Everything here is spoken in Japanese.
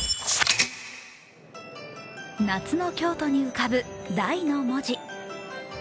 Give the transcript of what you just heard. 夏の京都に浮かぶ「大」の文字。